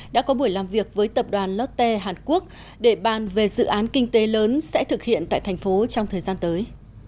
đã có buổi làm việc với tập đoàn lotte hàn quốc để bàn về dự án kinh tế lớn sẽ thực hiện tại thành phố trong thời gian tới